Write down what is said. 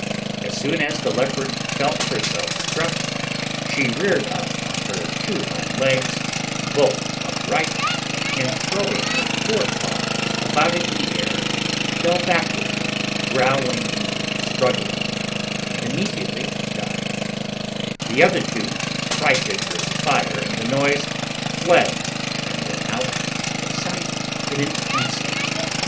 As soon as the leopard felt herself struck, she reared up on her two hind legs, bolt upright, and throwing her forepaws about in the air, fell backward, growling and struggling, and immediately died; the other two, frighted with the fire and the noise, fled, and were out of sight in an instant.